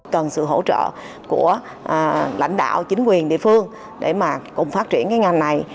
cần sự hỗ trợ của lãnh đạo chính quyền địa phương để mà cùng phát triển cái ngành này